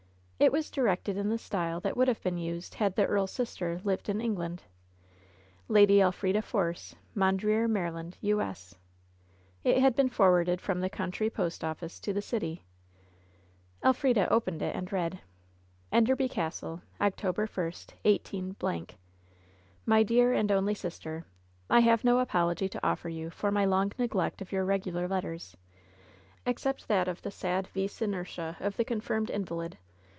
It was directed in the style that would have been used had the earl's sister lived in England : "Laby Elfrida Fobcb, "Mondreer, Maryland, U. S." It had been forwarded from the country poet office to the city: Elfrida opened it and read : 48 LOVE'S BITTEREST CUP "Endeeby Castle, October 1, 186 — ''My Dsab and Only Sistee : I have no apology to offer you for my long neglect of your regular letters, except that of the sad vis inertia of the confirmed in valid.